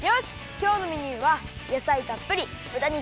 きょうのメニューはやさいたっぷりぶた肉